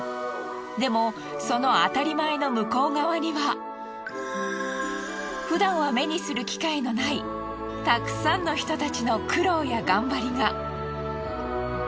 でもそのあたりまえの向こう側にはふだんは目にする機会のないたくさんの人たちの苦労や頑張りが。